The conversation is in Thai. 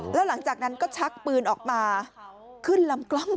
แล้วหลังจากนั้นก็ชักปืนออกมาขึ้นลำกล้อง